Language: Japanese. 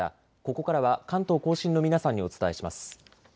ここからは関東甲信の皆さんにお伝えします。